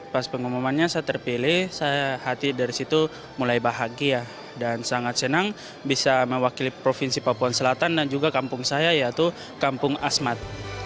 pas pengumumannya saya terpilih saya hati dari situ mulai bahagia dan sangat senang bisa mewakili provinsi papua selatan dan juga kampung saya yaitu kampung asmat